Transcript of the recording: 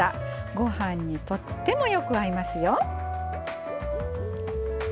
ご飯にとってもよく合いますよ。